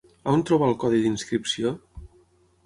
On trobar el codi d'inscripció?